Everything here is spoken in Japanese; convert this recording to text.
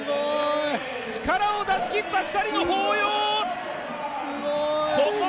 力を出しきった２人の抱擁！